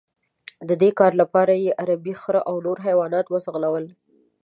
د دې کار لپاره یې عربي خره او نور حیوانات وځغلول.